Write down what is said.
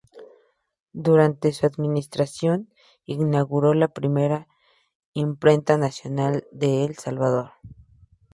Durante su administración, inauguró la primera Imprenta Nacional de El Salvador.